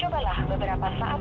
orang nipu memberes orang